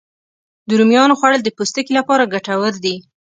د رومیانو خوړل د پوستکي لپاره ګټور دي